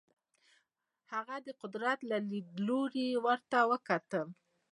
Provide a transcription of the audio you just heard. هغه د قدرت له لیدلوري ورته وکتل.